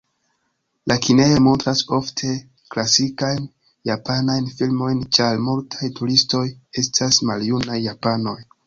La kinejoj montras ofte klasikajn japanajn filmojn, ĉar multaj turistoj estas maljunaj japanoj.